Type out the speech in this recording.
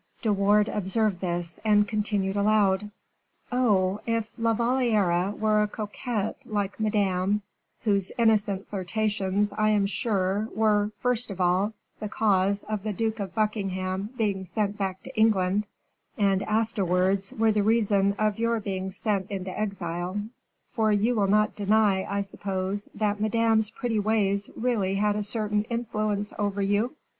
De Wardes observed this, and continued aloud: "Oh! if La Valliere were a coquette like Madame, whose innocent flirtations, I am sure, were, first of all, the cause of the Duke of Buckingham being sent back to England, and afterwards were the reason of your being sent into exile; for you will not deny, I suppose, that Madame's pretty ways really had a certain influence over you?"